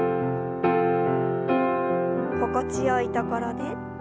心地よいところで。